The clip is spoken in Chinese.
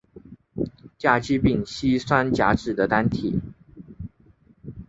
甲基丙烯酸甲酯的单体。